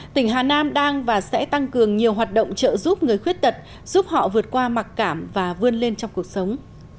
tỉnh hà nam đang và sẽ tăng cường nhiều hoạt động trợ giúp người khuyết tật giúp họ vượt qua mặc cảm và vươn lên trong cuộc sống